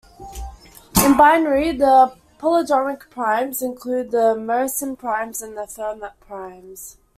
In binary, the palindromic primes include the Mersenne primes and the Fermat primes.